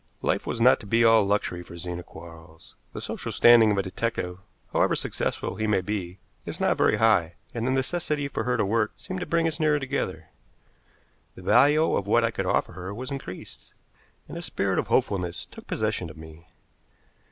Life was not to be all luxury for Zena Quarles. The social standing of a detective, however successful he may be, is not very high, and the necessity for her to work seemed to bring us nearer together. The value of what I could offer her was increased, and a spirit of hopefulness took possession of me.